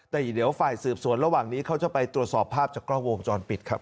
แต่เดี๋ยวฝ่ายสืบสวนระหว่างนี้เขาจะไปตรวจสอบภาพจากกล้องวงจรปิดครับ